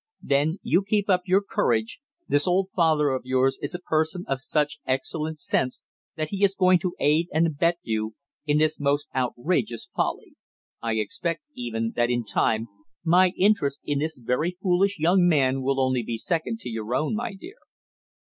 There, you keep up your courage! This old father of yours is a person of such excellent sense that he is going to aid and abet you in this most outrageous folly; I expect, even, that in time, my interest in this very foolish young man will be only second to your own, my dear!"